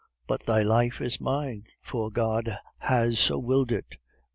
BUT THY LIFE IS MINE, FOR GOD HAS SO WILLED IT.